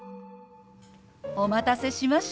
お待たせしました。